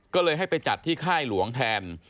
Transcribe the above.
ก็เลยให้ไปจัดที่ค่ายหลวงแทน